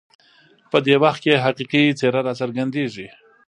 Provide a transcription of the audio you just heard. په دې وخت کې یې حقیقي څېره راڅرګندېږي.